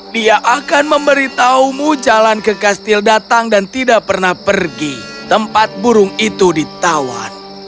dia akan memberitahumu jalan ke kastil datang dan tidak pernah pergi tempat burung itu ditawan